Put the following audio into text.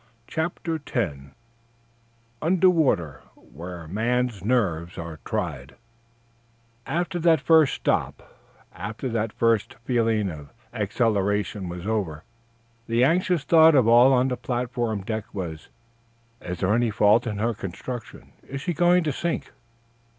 CHAPTER X UNDER WATER, WHERE MEN'S NERVES ARE TRIED After that first stop, after that first feeling of exhilaration was over, the anxious thought of all on the platform deck was: "Is there any fault in her construction? Is she going to sink?"